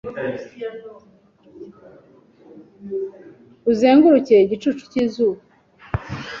Uzenguruke, igicucu cy'izuba